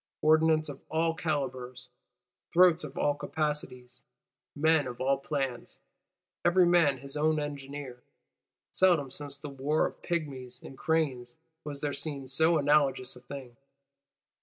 Ordnance of all calibres; throats of all capacities; men of all plans, every man his own engineer: seldom since the war of Pygmies and Cranes was there seen so anomalous a thing.